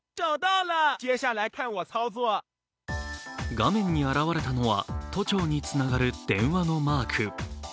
画面に現れたのは都庁につながる電話のマーク。